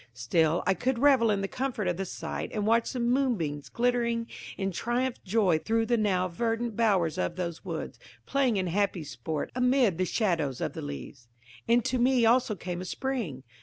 Still, I could revel in the comfort of the sight, and watch the moonbeams glittering in triumphant joy through the now verdant bowers of those woods, playing in happy sport amid the shadows of the leaves. And to me also came a spring!